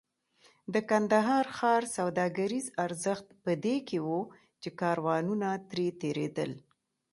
د کندهار ښار سوداګریز ارزښت په دې کې و چې کاروانونه ترې تېرېدل.